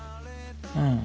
うん。